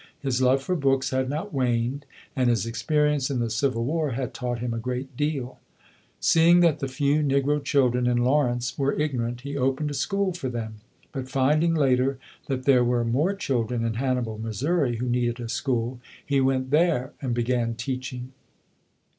His love for books had not waned, and his experience in the Civil War had taught him a great deal. Seeing that the few Negro children in Law rence were ignorant, he opened a school for them, but finding later that there were more children in Hannibal, Missouri, who needed a school, he went there and began teaching.